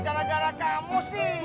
gara gara kamu sih